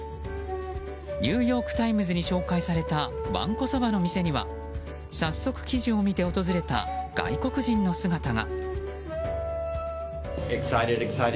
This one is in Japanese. ニューヨーク・タイムズに紹介された、わんこそばの店には早速、記事を見て訪れた外国人の姿が。